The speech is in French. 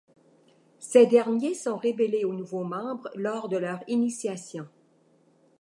Ces derniers sont révélés aux nouveaux membres lors de leur initiation.